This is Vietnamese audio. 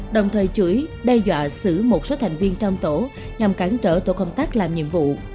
đồng thời chửi đe dọa xử một số thành viên trong tổ nhằm cản trở tổ công tác làm nhiệm vụ